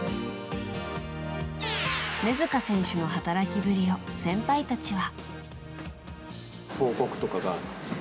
根塚選手の働きぶりを先輩たちは。